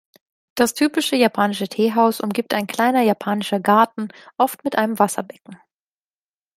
Das typische japanische Teehaus umgibt ein kleiner japanischer Garten, oft mit einem Wasserbecken.